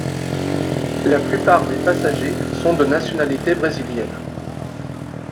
La plupart des passagers sont de nationalité brésilienne.